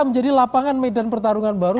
menjadi lapangan medan pertarungan baru